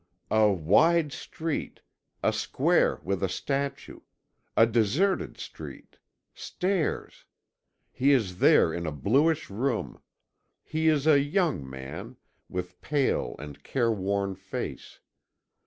"A wide street ... a square with a statue ... a deserted street, stairs. He is there in a bluish room he is a young man, with pale and careworn face.